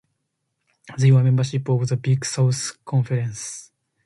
They were members of the Big South Conference.